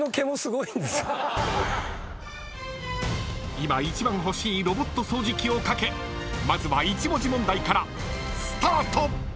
［今一番欲しいロボット掃除機を懸けまずは１文字問題からスタート！］